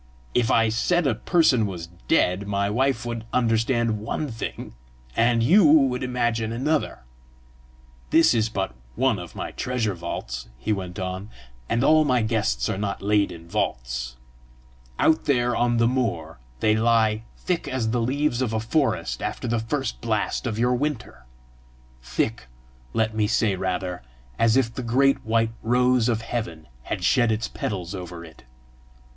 If I said a person was dead, my wife would understand one thing, and you would imagine another. This is but one of my treasure vaults," he went on, "and all my guests are not laid in vaults: out there on the moor they lie thick as the leaves of a forest after the first blast of your winter thick, let me say rather, as if the great white rose of heaven had shed its petals over it.